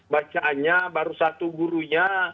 bacaannya baru satu gurunya